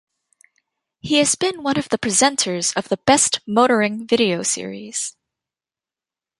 He has been one of the presenters of the "Best Motoring" video series.